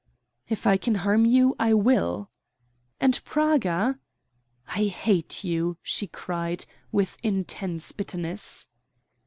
"If I can harm you I will." "And Praga?" "I hate you!" she cried, with intense bitterness.